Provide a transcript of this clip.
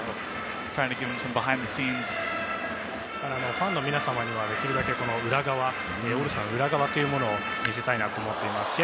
ファンの皆様にはできるだけオールスターの裏側というのを見せたいと思っています。